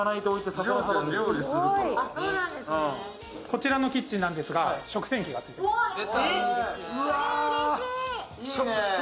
こちらのキッチンなんですが食洗機がついてます。